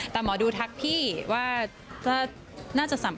แต่หมอดูทักพี่ว่าน่าจะ๓๘